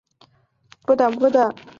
醮期由一日一夜至五日六夜不等。